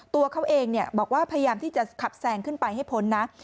ตัวเขาเองบอกว่าพยายามที่จะขับแซงขึ้นไปให้พ้นนะ